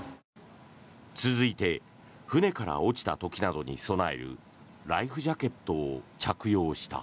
続いて船から落ちた時などに備えるライフジャケットを着用した。